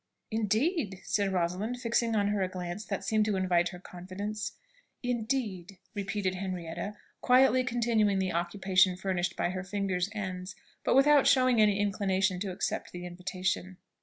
"Indeed!" said Rosalind, fixing on her a glance that seemed to invite her confidence. "Indeed!" repeated Henrietta, quietly continuing the occupation furnished by her fingers' ends, but without showing any inclination to accept the invitation.